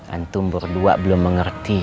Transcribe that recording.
antum berdua belum mengerti